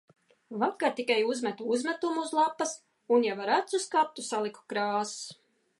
Vakar tikai uzmetu uzmetumu uz lapas un jau ar acu skatu saliku krāsas.